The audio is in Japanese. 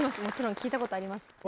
もちろん聴いたことあります。